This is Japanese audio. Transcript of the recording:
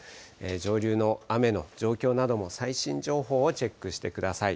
上流の雨の状況なども最新情報をチェックしてください。